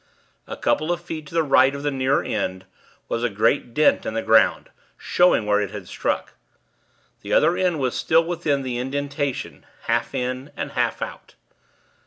A couple of feet to the right of the nearer end, was a great dent in the ground; showing where it had struck. The other end was still within the indentation half in, and half out.